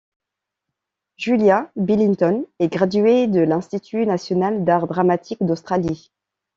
Julia Billington est graduée de l'Institut national d'art dramatique d'Australie.